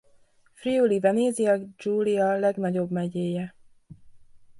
Friuli-Venezia-Giulia legnagyobb megyéje.